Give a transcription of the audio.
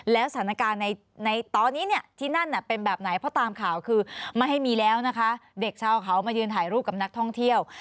แล้วสถานการณ์ในตอนนี้เนี่ยที่นั่นเป็นแบบไหนเพราะตามข่าวคือไม่ให้มีแล้วนะคะเด็กชาวเขามายืนถ่ายรูปกับนักท่องเที่ยว